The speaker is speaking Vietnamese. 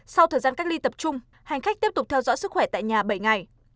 sau thời gian cách ly tập trung hành khách tiếp tục theo dõi sức khỏe tại nhà bảy ngày